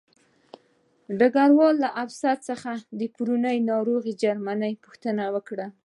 ډګروال له افسر څخه د پرونۍ ناروغ جرمني پوښتنه وکړه